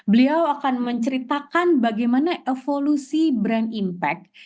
beliau akan menceritakan bagaimana evolusi brand impact